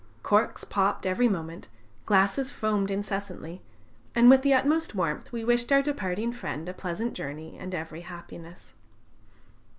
Corks popped every moment, glasses foamed incessantly, and, with the utmost warmth, we wished our departing friend a pleasant journey and every happiness.